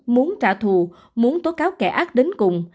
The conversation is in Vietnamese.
muốn trả thù muốn tố cáo kẻ ác đến cùng